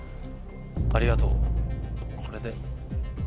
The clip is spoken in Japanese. ありがとうこれで。